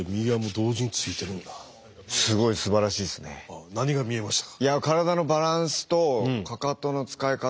すごい。何が見えましたか？